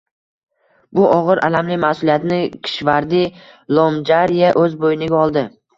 Bu ogʻir, alamli masʼuliyatni Kishvardi Lomjariya oʻz boʻyniga oldi: